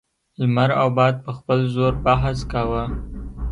لمر او باد په خپل زور بحث کاوه.